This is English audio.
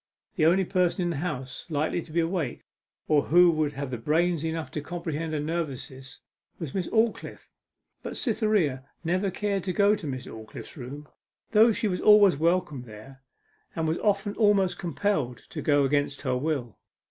The only person in the house likely to be awake, or who would have brains enough to comprehend her nervousness, was Miss Aldclyffe, but Cytherea never cared to go to Miss Aldclyffe's room, though she was always welcome there, and was often almost compelled to go against her will.